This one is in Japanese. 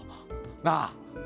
なあ！